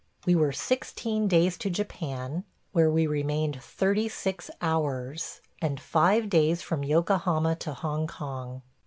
We were sixteen days to Japan, where we remained thirty six hours, and five days from Yokohama to Hong Kong.